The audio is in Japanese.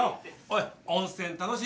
はい。